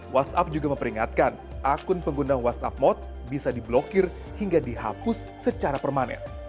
whatsapp juga memperingatkan akun pengguna whatsapp mode bisa diblokir hingga dihapus secara permanen